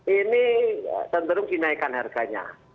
ini tentu kenaikan harganya